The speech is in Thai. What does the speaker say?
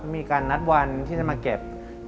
มีการนัดวันที่จะมาเก็บ